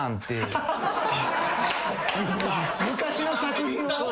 昔の作品を？